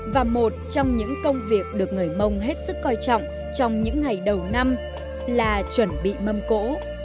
và một trong những công việc được người mông hết sức coi trọng trong những ngày đầu năm là chuẩn bị mâm cỗ